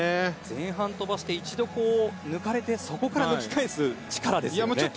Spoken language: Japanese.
前半飛ばして一度、抜かれてそこから抜き返す力ですよね。